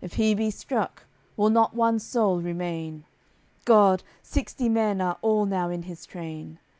If he be struck, will not one soul remain. God! Sixty men are all now in his train!